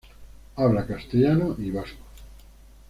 Habla castellano y vasco.